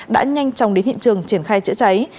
đã nhanh chóng đến hiện trường triển khai chữa cháy